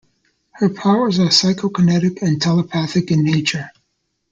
Her powers are psychokinetic and telepathic in nature.